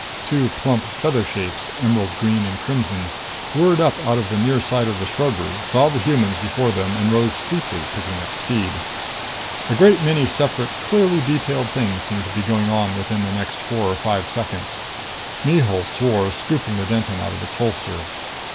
Two plump feather shapes, emerald green and crimson, whirred up out of the near side of the shrubbery, saw the humans before them and rose steeply, picking up speed. A great many separate, clearly detailed things seemed to be going on within the next four or five seconds. Mihul swore, scooping the Denton out of its holster.